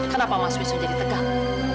kenapa mas wisnu jadi tegang